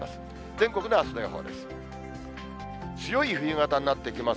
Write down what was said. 全国のあすの予報です。